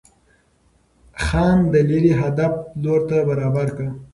ځان د ليري هدف لور ته برابر كه